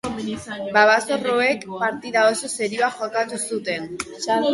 Babazorroek partida oso serioa jokatu zuten.